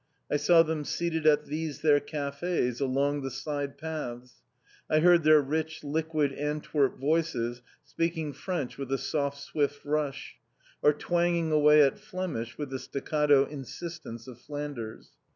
I saw them seated at these their cafés, along the side paths. I heard their rich, liquid Antwerp voices speaking French with a soft, swift rush, or twanging away at Flemish with the staccato insistence of Flanders.